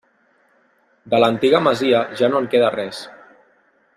De l'antiga masia ja no en queda res.